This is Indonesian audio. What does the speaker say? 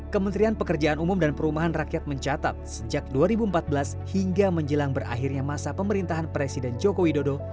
kementerian pekerjaan umum dan perumahan rakyat mencatat sejak dua ribu empat belas hingga menjelang berakhirnya masa pemerintahan presiden joko widodo